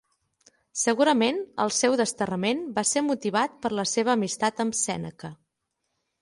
Segurament el seu desterrament va ser motivat per la seva amistat amb Sèneca.